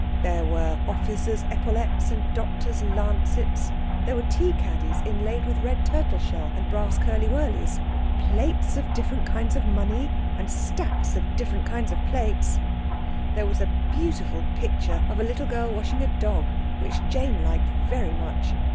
There were officers' epaulets and doctors' lancets. There were tea caddies inlaid with red turtle shell and brass curly wurlies, plates of different kinds of money, and stacks of different kinds of plates. There was a beautiful picture of a little girl washing a dog, which Jane liked very much.